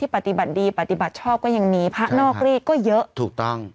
ปฏิบัติดีปฏิบัติชอบก็ยังมีพระนอกรีดก็เยอะถูกต้อง